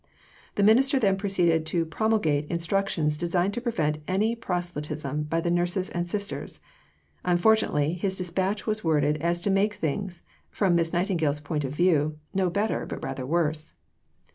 The Minister then proceeded to promulgate instructions designed to prevent any proselytism by the nurses and Sisters. Unfortunately, his dispatch was so worded as to make things, from Miss Nightingale's point of view, no better, but rather worse.